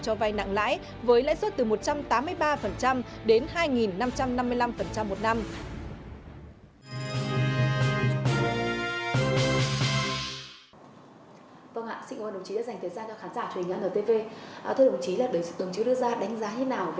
cho vay nặng lãi với lãi suất từ